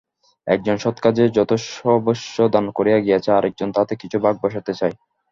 একজন সৎকাজে যথাসর্বস্ব দান করিয়া গিয়াছে, আর একজন তাতে কিছু ভাগ বসাইতে চায়।